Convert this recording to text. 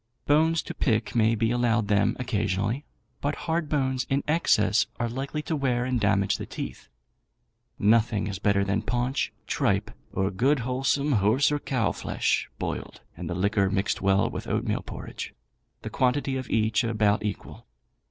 Bones to pick may be allowed them occasionally, but hard bones in excess are likely to wear and damage the teeth. Nothing is better than paunch, tripe, or good wholesome horse or cow flesh, boiled, and the liquor mixed well with oatmeal porridge; the quantity of each about equal.